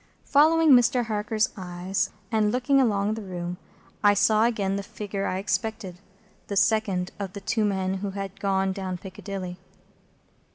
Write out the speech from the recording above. Following Mr. Harker's eyes, and looking along the room, I saw again the figure I expected,—the second of the two men who had gone down Piccadilly.